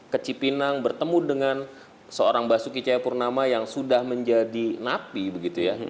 ke cipinang bertemu dengan seorang basuki cahayapurnama yang sudah menjadi napi begitu ya